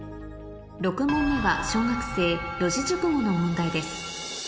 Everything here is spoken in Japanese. ６問目は小学生四字熟語の問題です